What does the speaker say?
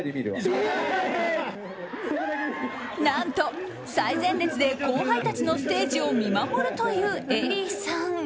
何と、最前列で後輩たちのステージを見守るというＥＬＬＹさん。